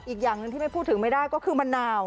อีกอย่างหนึ่งที่ไม่พูดถึงไม่ได้ก็คือมะนาว